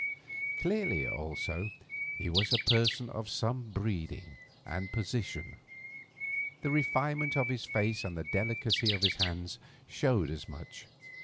Clearly, also, he was a person of some breeding and position, the refinement of his face and the delicacy of his hands showed as much.